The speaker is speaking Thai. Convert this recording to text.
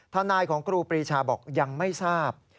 ทนายของครูปรีชาบอกยังไม่ทราบ